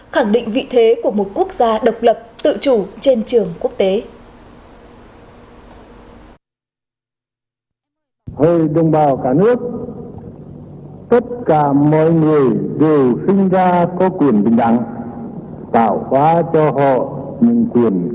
khẳng định vị thế của một quốc gia độc lập tự chủ trên trường quốc tế